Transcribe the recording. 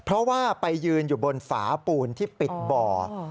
เพราะว่าไปยืนอยู่บนฝาปูนที่ปิดบ่อ